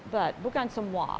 tapi bukan semua